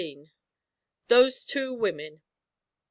'THOSE TWO WOMEN.'